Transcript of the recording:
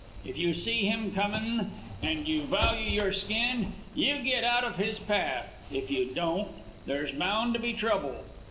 If you see him comin', and you value your skin, you get out of his path. If you don't, there's bound to be trouble.